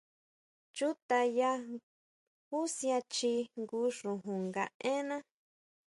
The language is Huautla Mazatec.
Chutʼaya jusian chji jngu xojon nga énna.